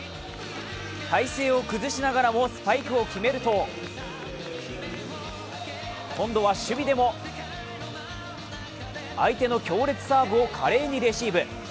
体勢を崩しながらもスパイクを決めると今度は守備でも、相手の強烈サーブを華麗にレシーブ。